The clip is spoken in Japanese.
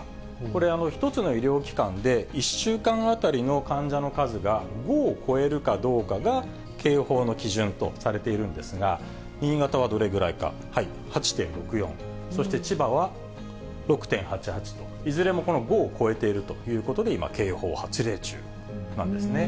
これ、１つの医療機関で１週間当たりの患者の数が５を超えるかどうかが警報の基準とされているんですが、新潟はどれぐらいか、８．６４、そして、千葉は６．８８と、いずれもこの５を超えているということで、今、警報発令中なんですね。